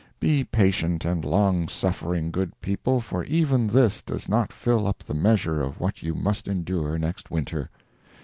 Be patient and long suffering, good people, for even this does not fill up the measure of what you must endure next winter.